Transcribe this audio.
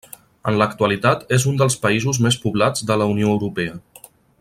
En l'actualitat és un dels països més poblats de la Unió Europea.